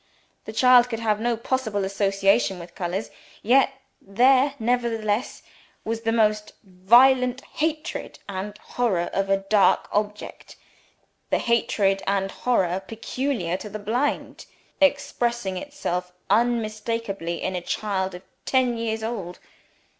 The child could have no possible association with colors. Yet there nevertheless was the most violent hatred and horror of a dark object (the hatred and horror peculiar to the blind) expressing itself unmistakably in a child of ten years old!